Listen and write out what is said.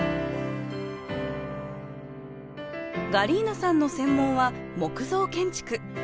ガリーナさんの専門は木造建築。